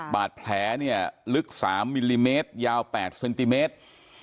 บาดแผลเนี่ยลึก๓มิลลิเมตรยาว๘เซนติเมตร